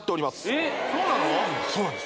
えっそうなの？